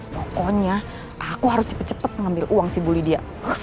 pokoknya aku harus cepet cepet ngambil uang si bully dia